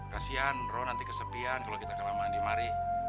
kesian ruh nanti kesepian kalau kita kelamaan di mari